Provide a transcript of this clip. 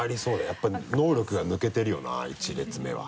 やっぱり能力が抜けてるよな１列目は。